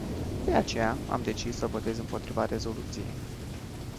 De aceea, am decis să votez împotriva rezoluției.